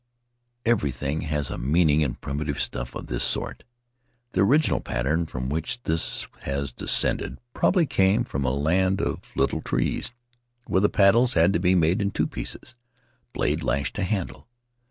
Everything has a meaning in primitive stuff of this sort; the original pattern from which this has descended probably came from a land of little trees, At the House of Tari where the paddles had to be made in two pieces — blade lashed to handle.